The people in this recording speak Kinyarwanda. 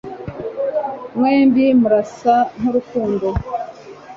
mwembi murasa nkurukundo